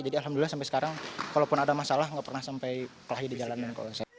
jadi alhamdulillah sampai sekarang kalau ada masalah saya tidak pernah sampai berbahaya di jalanan